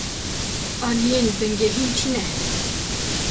Aliyên bingehîn çi ne?